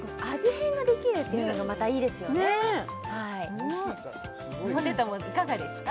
変ができるっていうのがまたいいですよねねえうまいポテトもいかがですか？